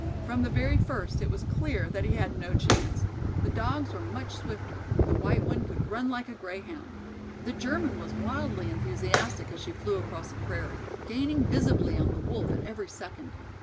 From the very first it was clear that he had no chance. The Dogs were much swifter; the white one could run like a Greyhound. The German was wildly enthusiastic as she flew across the prairie, gaining visibly on the Wolf at every second.